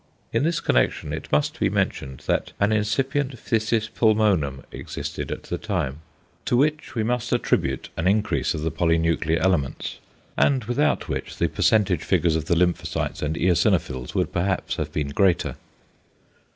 In this connection it must be mentioned that an incipient phthisis pulmonum existed at the time, to which we must attribute an increase of the polynuclear elements, and without which the percentage figures of the lymphocytes and eosinophils would perhaps have been greater.